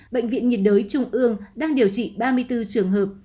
bệnh viện nhiệt đới trung ương đang điều trị ba mươi bốn trường hợp